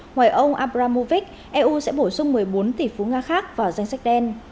ngoài ông abramovich eu sẽ bổ sung một mươi bốn tỷ phú nga khác vào danh sách đen